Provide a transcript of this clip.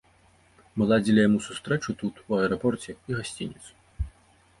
Мы ладзілі яму сустрэчу тут, у аэрапорце, і гасцініцу.